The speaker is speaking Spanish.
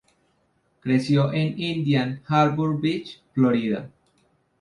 Creció en Indian Harbour Beach, Florida.